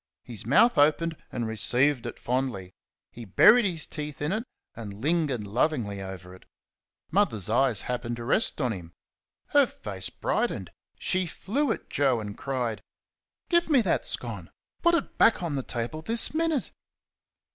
His mouth opened and received it fondly. He buried his teeth in it and lingered lovingly over it. Mother's eyes happened to rest on him. Her face brightened. She flew at Joe and cried: "Give me that scone! put it back on the table this minute!"